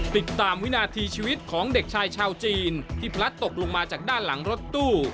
วินาทีชีวิตของเด็กชายชาวจีนที่พลัดตกลงมาจากด้านหลังรถตู้